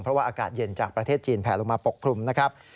เพราะว่าอากาศเย็นจากประเทศจีนแผลลงมาปกคลุมนะครับ